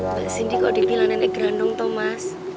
mbak sindi kok dibilang nenek grandong tomas